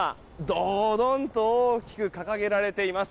ドドンと大きく掲げられています。